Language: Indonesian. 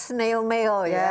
snail mail ya